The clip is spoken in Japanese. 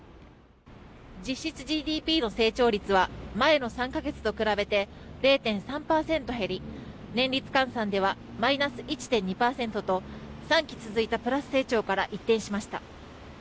実質ＧＤＰの成長率は前の３か月と比べて０．３％減り年率換算ではマイナス１．２％と３期続いたプラス成長から一転しました。